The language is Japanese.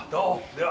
では。